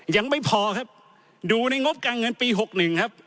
ยังไม่พอครับดูในงบการเงินปี๖๑ครับ